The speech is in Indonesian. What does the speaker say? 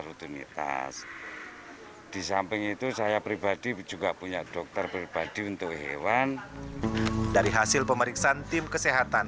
rutinitas di samping itu saya pribadi juga punya dokter pribadi untuk hewan dari hasil pemeriksaan tim kesehatan